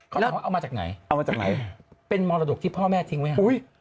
เขาบอกว่าเอามาจากไหนเป็นมรดกที่พ่อแม่ทิ้งไว้